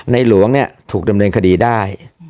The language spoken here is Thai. หลวงเนี่ยถูกดำเนินคดีได้